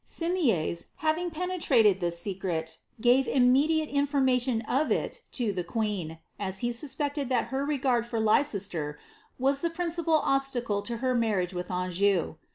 Sim* ig penetrated this secret, gave immediate information of it to » as he suspected that her regard for Leicester was the princi* le to her marriage with Anjou.